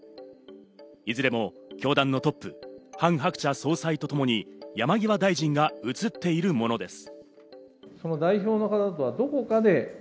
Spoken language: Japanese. いずれも教団のトップ、ハン・ハクチャ総裁とともに、山際大臣が写っているものです。